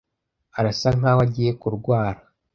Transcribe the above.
Arasa nkaho agiye kurwara.